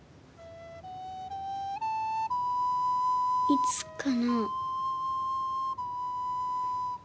いつかな。